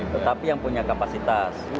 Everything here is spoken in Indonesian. tetapi yang punya kapasitas